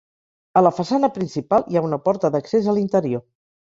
A la façana principal hi ha una porta d'accés a l'interior.